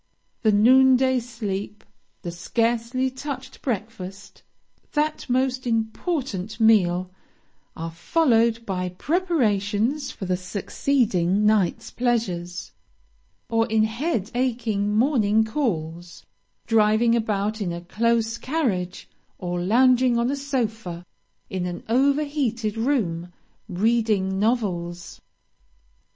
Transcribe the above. The noon day sleep, the scarcely touched breakfast, that most important meal, are followed by preparations for the succeeding night's pleasures, or in head aching morning calls, driving about in a close carriage, or lounging on a sofa, in an over heated room, reading novels.